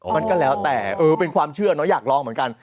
มันก็แล้วแต่เออเป็นความเชื่อเนอะอยากลองเหมือนกัน